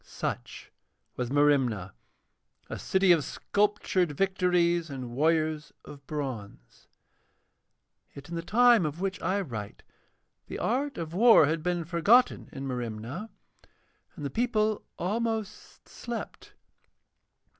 Such was Merimna, a city of sculptured Victories and warriors of bronze. Yet in the time of which I write the art of war had been forgotten in Merimna, and the people almost slept.